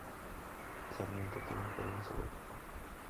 Sarmiento tiene el Jardín Zoológico.